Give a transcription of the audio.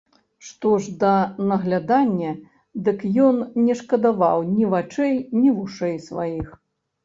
Што ж да наглядання, дык ён не шкадаваў ні вачэй, ні вушэй сваіх.